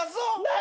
何？